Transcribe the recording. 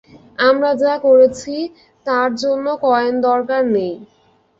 আমরা যা করছি, তার জন্য কয়েন দরকার নেই।